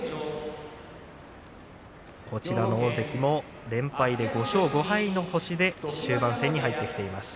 こちらの大関も連敗で５勝５敗の星で終盤戦に入ってきています